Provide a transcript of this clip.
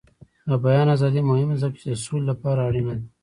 د بیان ازادي مهمه ده ځکه چې د سولې لپاره اړینه ده.